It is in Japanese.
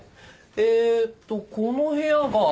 えーっとこの部屋が。